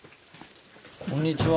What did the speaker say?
こんにちは。